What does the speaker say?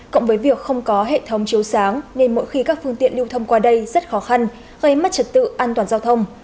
có hệ thống chiếu sáng nên mỗi khi các phương tiện lưu thông qua đây rất khó khăn gây mất trật tự an toàn giao thông